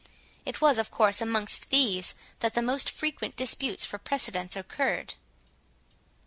It was of course amongst these that the most frequent disputes for precedence occurred.